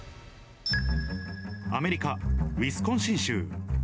アメリカ・ウィスコンシン州。